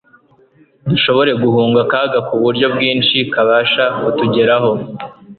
dushobore guhunga akaga k'uburyo bwinshi kabasha kutugeraho